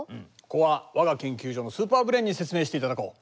ここはわが研究所のスーパーブレーンに説明していただこう。